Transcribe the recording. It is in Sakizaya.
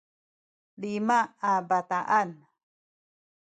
lima a bataan